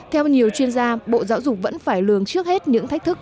theo nhiều chuyên gia bộ giáo dục vẫn phải lường trước hết những thách thức